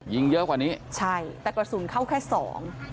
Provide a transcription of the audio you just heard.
ยิงเยอะกว่านี้ใช่แต่กระสุนเข้าแค่สอง